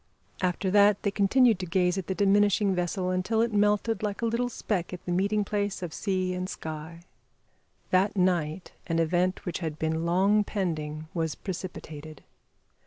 After that, they continued to gaze at the diminishing vessel until it melted like a little speck at the meeting place of sea and sky. That night an event which had been long pending was precipitated.